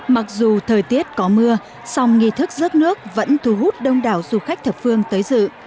mặc dù thời tiết có mưa song nghi thức rước nước vẫn thu hút đông đảo du khách thập phương tới dự